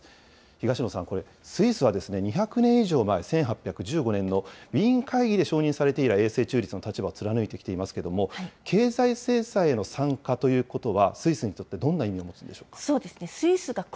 東野さん、これ、スイスは２００年以上前、１８１５年のウィーン会議で承認されて以来、永世中立の立場を貫いてきていますけれども、経済制裁への参加ということは、スイスにとってどんな意味を持つんでしょうか。